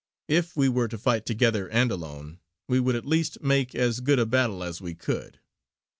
If we were to fight together and alone, we would at least make as good a battle as we could.